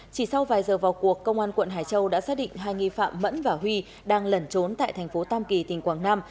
chỉ sau vài giờ vào cuộc công an quận hải châu đã xác định hai nghi phạm mẫn và huy đang lẩn trốn tại thành phố tam kỳ tỉnh quảng nam